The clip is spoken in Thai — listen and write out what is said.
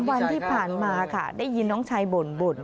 วันที่ผ่านมาค่ะได้ยินน้องชายบ่น